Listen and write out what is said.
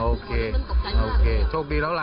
โอเคโอเคโชคดีแล้วล่ะ